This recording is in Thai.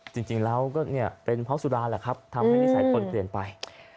จริงแล้วก็เนี่ยเป็นเผาสุดาแหละครับทำให้นิสัยเปิดเปลี่ยนไป